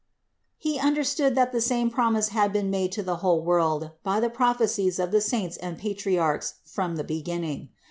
He understood that the same promise had been made to the whole world by the prophecies of the Saints and Patriarchs from the beginning.